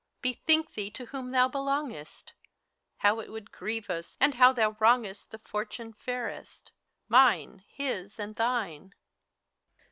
Bethink thee To whom thou helongesti How it would grieve us, And how thou wrongest The fortune fairest, — Mine, His, and Thine!